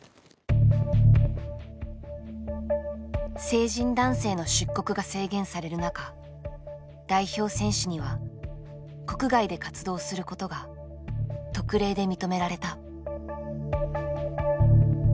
成人男性の出国が制限される中代表選手には国外で活動することが特例で認められた。